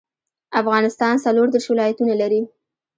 افغانستان څلور ديرش ولايتونه لري